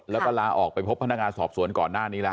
แล้วก็ลาออกไปพบพนักงานสอบสวนก่อนหน้านี้แล้ว